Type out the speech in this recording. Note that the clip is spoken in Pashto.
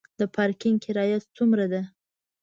د پارکینګ کرایه څومره ده؟